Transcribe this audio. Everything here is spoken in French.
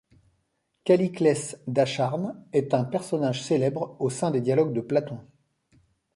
Calliclès d’Acharnes est un personnage célèbre au sein des dialogues de Platon.